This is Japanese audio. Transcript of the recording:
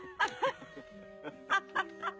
アハハハ。